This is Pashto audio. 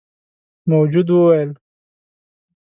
موجود وويل: